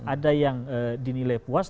ada yang dinilai puas